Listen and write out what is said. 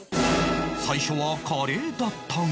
最初はカレーだったが